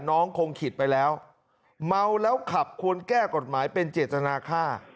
น้องคงขิดไปแล้วเมาแล้วขับควรแก้กฎหมายเป็นเจตนาค่า